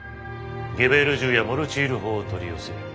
ゲベール銃やモルチール砲を取り寄せ。